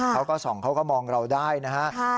เขาก็ส่องเขาก็มองเราได้นะฮะ